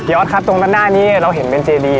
ออสครับตรงด้านหน้านี้เราเห็นเป็นเจดี